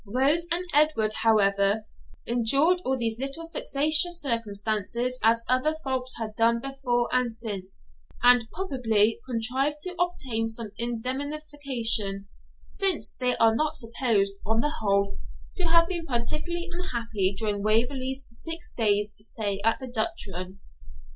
Rose and Edward, however, endured all these little vexatious circumstances as other folks have done before and since, and probably contrived to obtain some indemnification, since they are not supposed, on the whole, to have been particularly unhappy during Waverley's six days' stay at the Duchran.